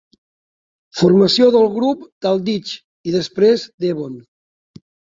Formació del grup Dalditch i després Devon.